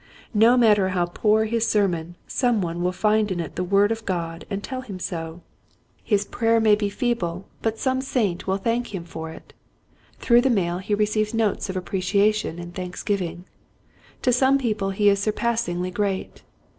No matter how poor his sermon some one will find in it the word of God and tell him so. His prayer may be feeble but Vanity. 133 some saint will thank him for it. Through the mail he receives notes of appreciation and thanksgiving. To some people he is surpassingly great.